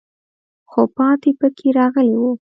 خو پاتې پکې راغلی وو.